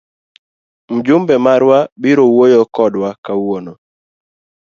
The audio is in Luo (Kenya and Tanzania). Mjumbe marwa biro wuoyo kodwa kawuono.